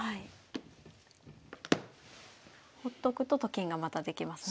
ほっとくとと金がまたできますね。